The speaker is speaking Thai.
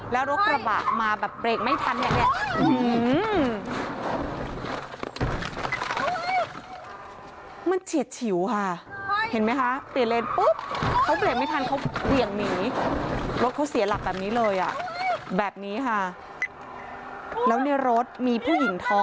แล้วรถกระบะมาแบบเปลี่ยนไม่ทันแหละเนี่ย